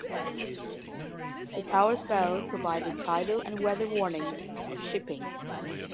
The tower's bell provided tidal and weather warnings to shipping.